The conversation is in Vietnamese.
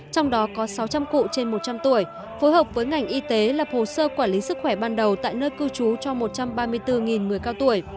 trong đó có sáu trăm linh cụ trên một trăm linh tuổi phối hợp với ngành y tế lập hồ sơ quản lý sức khỏe ban đầu tại nơi cư trú cho một trăm ba mươi bốn người cao tuổi